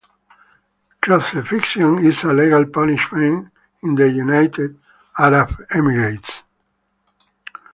Crucifixion is a legal punishment in the United Arab Emirates.